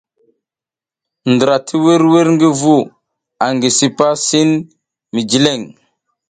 Ndram ti wirwir ngi vu angi sipa sin mi jileŋ.